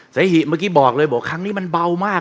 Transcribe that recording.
เสหิเมื่อกี้บอกเลยบอกครั้งนี้มันเบามาก